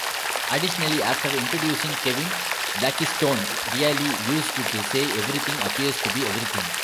Additionally, after introducing Kevin Blackistone, Reali used to say Everything appears to be everything.